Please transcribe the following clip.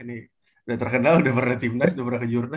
udah terkenal udah pernah tim nas udah pernah ke jurnaz